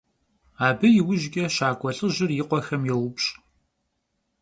Abı yiujç'e şak'ue lh'ıjır yi khuexem youpş'.